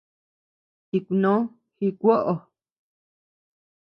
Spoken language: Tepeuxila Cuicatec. Tikunó ji kuoʼo.